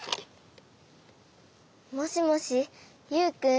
もしもしユウくん？